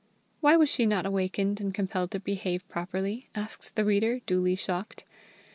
Why was she not awakened and compelled to behave properly? asks the reader, duly shocked.